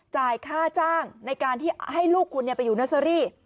จ่ายค่าจ้างในการที่ให้ลูกคุณไปอยู่เนอร์เซอรี่